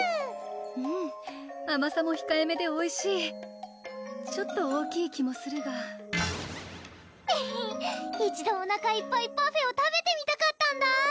うんあまさもひかえめでおいしいちょっと大きい気もするがエヘッ一度おなかいっぱいパフェを食べてみたかったんだ